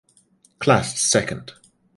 Class Second.